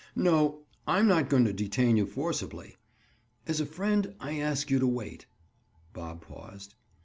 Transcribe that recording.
"No; I'm not going to detain you forcibly. As a friend I ask you to wait." Bob paused.